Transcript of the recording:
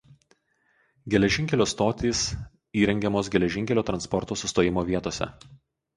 Geležinkelio stotys įrengiamos geležinkelio transporto sustojimo vietose.